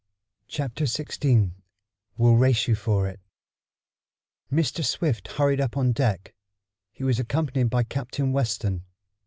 Chapter Sixteen "We'll Race You For It" Mr. Swift hurried up on deck. He was accompanied by Captain Weston.